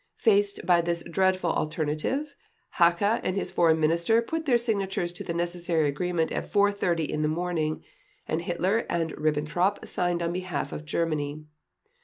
Faced by this dreadful alternative, Hacha and his Foreign Minister put their signatures to the necessary agreement at 4:30 in the morning, and Hitler and Ribbentrop signed on behalf of Germany.